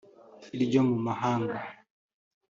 iryo mu mahanga